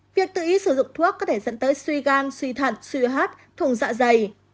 việc tự ý sử dụng thuốc có thể dẫn tới suy gan suy thận suy hấp thùng dạ dày